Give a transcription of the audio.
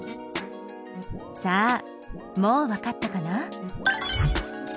さあもうわかったかな？